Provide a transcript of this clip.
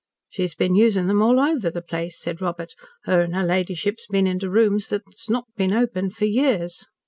"She's been using them all over the place," said Robert. "Her and her ladyship's been into rooms that's not been opened for years."